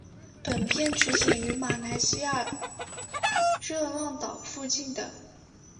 本片取景于马来西亚热浪岛邻近的。